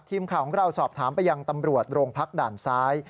ทีมข่าวของเราสอบถามไปยังตำรวจโรงพักด่านซ้าย